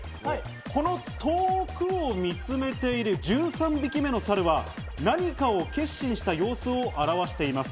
この遠くを見つめている１３匹目の猿は、何かを決心した様子を表しています。